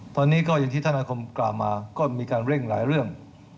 ตอนนี้ก็อย่างที่ท่านอาคมกล่าวมาก็มีการเร่งหลายเรื่อง